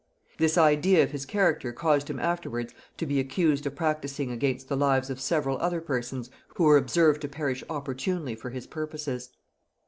This idea of his character caused him afterwards to be accused of practising against the lives of several other persons who were observed to perish opportunely for his purposes.